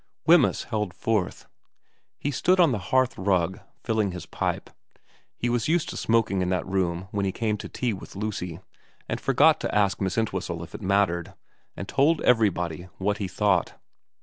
Wemyss held forth. He stood on the hearthrug filling his pipe he was used to smoking in that room when he came to tea with Lucy, and forgot to ask Miss Entwhistle if it mattered and told everybody what he thought.